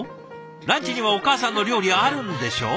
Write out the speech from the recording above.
ランチにはお母さんの料理あるんでしょ？